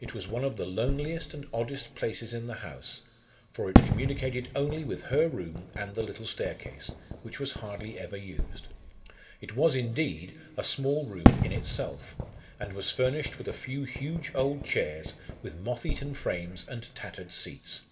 It was one of the loneliest and oddest places in the house, for it communicated only with her room and the little staircase, which was hardly ever used. It was, indeed, a small room in itself, and was furnished with a few huge old chairs with moth eaten frames and tattered seats.